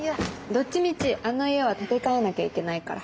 どっちみちあの家は建て替えなきゃいけないから。